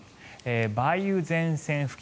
梅雨前線付近